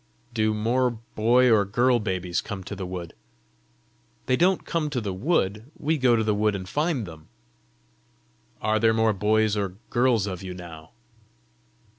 "Do more boy or girl babies come to the wood?" "They don't come to the wood; we go to the wood and find them." "Are there more boys or girls of you now?"